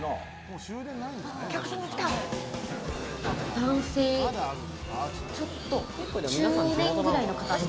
男性、ちょっと中年ぐらいの方。